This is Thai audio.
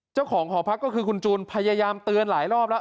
เจ้าของหอพักก็คือคุณจูนพยายามเตือนหลายรอบแล้ว